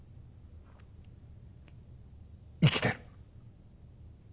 生きてる。